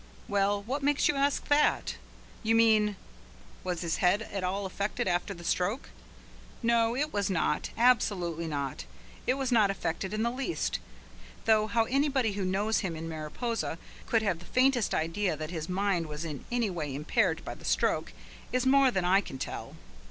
Why, what makes you ask that? You mean, was his head at all affected after the stroke? No, it was not. Absolutely not. It was not affected in the least, though how anybody who knows him now in Mariposa could have the faintest idea that his mind was in any way impaired by the stroke is more than I can tell.